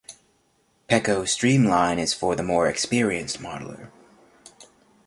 Peco Streamline is for the more experienced modeller.